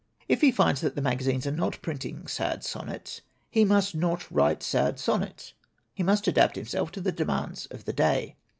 "If he finds that the magazines are not printing sad sonnets, he must not write sad sonnets. He must adapt himself to the demands of the day.